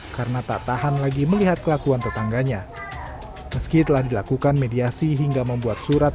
karena tak tahan lagi melihat kelakuan tetangganya meski telah dilakukan mediasi hingga membuat surat